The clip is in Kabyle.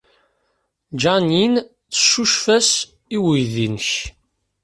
Jeanine teccucef-as i uydi-nnek.